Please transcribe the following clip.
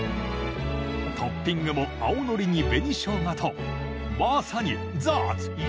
トッピングも青のりに紅ショウガとまさにザッツ焼きそば！